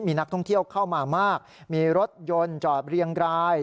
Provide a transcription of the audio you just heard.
มีนักท่องเที่ยวเข้ามามากมีรถยนต์จอดเรียงราย